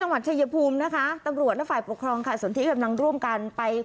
จังหวัดเฉยภูมินะคะตำรวจและฝ่ายปกครองนะคะ